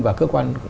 và cơ quan